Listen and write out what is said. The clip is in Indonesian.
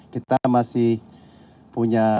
kita masih punya